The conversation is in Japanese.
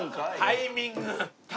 タイミング！